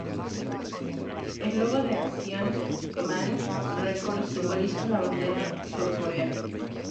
El logo de Asian Man Records simboliza la bandera surcoreana.